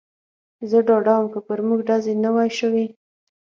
زه ډاډه ووم، که پر موږ ډزې نه وای شوې.